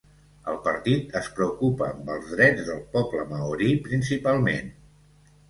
El partit es preocupa amb els drets del poble maori principalment.